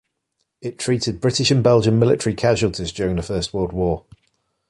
It treated British and Belgian military casualties during the First World War.